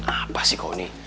apa sih kau ini